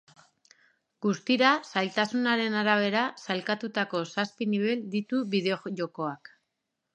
Guztira zailtasunaren arabera sailkatutako zazpi nibel ditu bideo-jokoak.